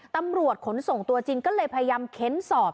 ตำรวจขนส่งตัวจริงก็เลยพยายามเค้นสอบ